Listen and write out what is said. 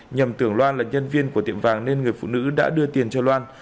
nhầm tưởng loan là nhân viên của tiệm vàng nên người phụ nữ đã đưa tiền cho loan